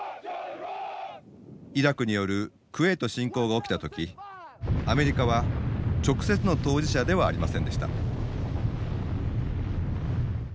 イラクによるクウェート侵攻が起きた時アメリカは直接の当事者ではありませんでした。